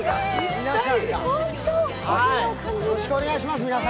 皆さんもよろしくお願いします。